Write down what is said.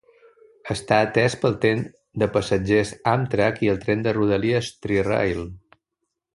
Està atès pel tren de passatgers Amtrak i el tren de rodalies Tri-Rail.